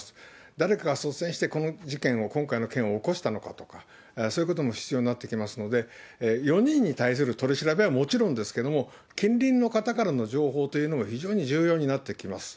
誰かが率先してこの事件を、今回の件を起こしたのかとか、そういうことも必要になってきますので、４人に対する取り調べはもちろんですけれども、近隣の方からの情報というのも非常に重要になってきます。